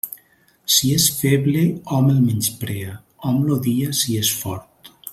Si és feble, hom el menysprea; hom l'odia si és fort.